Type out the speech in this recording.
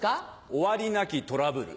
終わりなきトラブル。